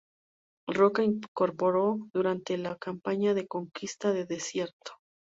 Roca incorporó durante la campaña de Conquista del Desierto.